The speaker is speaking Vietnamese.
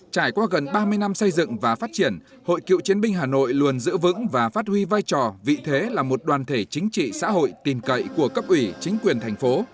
trải qua gần ba mươi năm xây dựng và phát triển hội cựu chiến binh hà nội luôn giữ vững và phát huy vai trò vị thế là một đoàn thể chính trị xã hội tình cậy của cấp ủy chính quyền thành phố